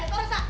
gak terus ah